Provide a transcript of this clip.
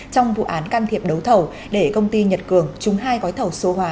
trong vụ án can thiệp đấu thầu để công ty nhật cường trúng hai gói thầu số hóa